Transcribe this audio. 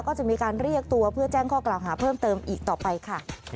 ก็จะมีการเรียกตัวเพื่อแจ้งข้อกล่าวหาเพิ่มเติมอีกต่อไปค่ะ